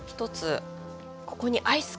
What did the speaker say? ここにアイスを？